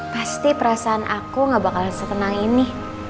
pasti perasaan aku gak bakal setenang ini